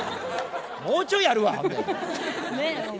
もうちょいあるわ俺。